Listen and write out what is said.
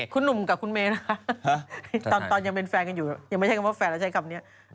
คุณหนุ่มกับคุณเมย์นะตอนยังเป็นแฟนกันอยู่ยังไม่ใช่คำว่าแฟนแล้วใช้คำนี้